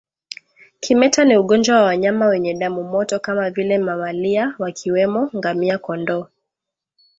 Kimeta ni ugonjwa wa wanyama wenye damu moto kama vile mamalia wakiwemo ngamia kondoo